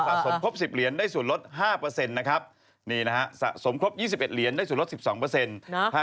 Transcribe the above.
สะสมครบ๑๐เหรียญได้ส่วนลด๕เปอร์เซ็นต์นะครับนี่นะฮะสะสมครบ๒๑เหรียญได้ส่วนลด๑๒เปอร์เซ็นต์